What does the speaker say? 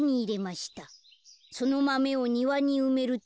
そのマメをにわにうめると」。